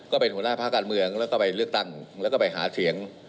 ก็เป็นหัวหน้าภาคการเมืองแล้วก็ไปเลือกตั้งแล้วก็ไปหาเสียง